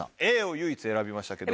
Ａを唯一選びましたけども。